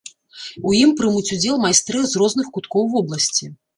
У ім прымуць удзел майстры з розных куткоў вобласці.